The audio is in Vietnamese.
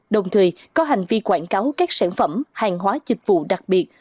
đồng thời có hành vi quảng cáo các sản phẩm hàng hóa dịch vụ đặc biệt